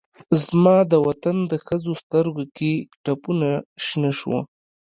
زما دوطن د ښځوسترګوکې ټپونه شنه شوه